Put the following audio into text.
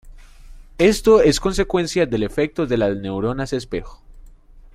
Esto es consecuencia del efecto de las neuronas espejo.